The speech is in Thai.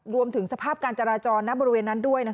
รวมถึงสภาพการจราจรณบริเวณนั้นด้วย